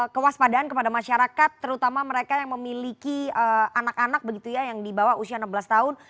kewaspadaan kepada masyarakat terutama mereka yang memiliki anak anak begitu ya yang di bawah usia enam belas tahun